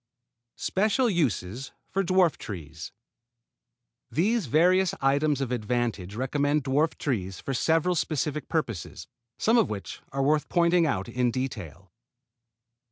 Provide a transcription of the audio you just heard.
SPECIAL USES FOR DWARF TREES These various items of advantage recommend dwarf fruit trees for several specific purposes, some of which are worth pointing out in detail.